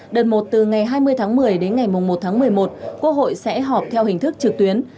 đợt một từ ngày hai mươi tháng một mươi đến ngày một tháng một mươi một quốc hội sẽ họp theo hình thức trực tuyến